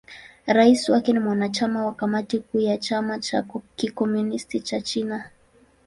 Rais wake ni mwanachama wa Kamati Kuu ya Chama cha Kikomunisti cha China.